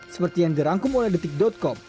seperti yang dirangkum oleh detik com